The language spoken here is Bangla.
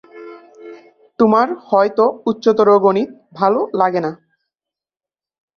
তোমার হয়তো উচ্চতর গণিত ভালো লাগে না।